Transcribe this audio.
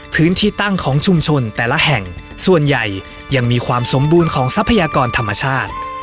พื้นที่ตั้งของชุมชนแต่ละแห่งส่วนใหญ่ยังมีความสมบูรณ์ของทรัพยากรธรรมชาติ